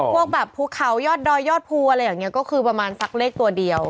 พวกแบบภูเขายอดดอยยอดภูอะไรอย่างนี้ก็คือประมาณสักเลขตัวเดียว